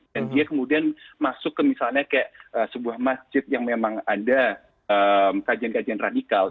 dan dia kemudian masuk ke misalnya sebuah masjid yang memang ada kajian kajian radikal